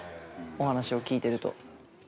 お話を聞いてると。